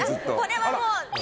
これはもう。